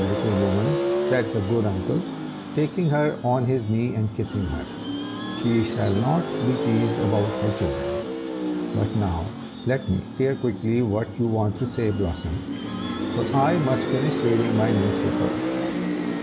little woman," said the good uncle, taking her on his knee and kissing her; "she shall not be teased about her children. But now let me hear quickly what you want to say, Blossom, for I must finish reading my newspaper."